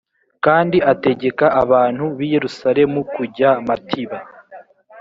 kandi ategeka abantu b i yerusalemu kujya matiba